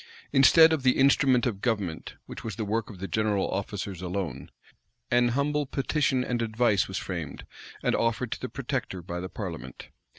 Instead of the "instrument of government," which was the work of the general officers alone, "an humble petition and advice" was framed, and offered to the protector, by the parliament.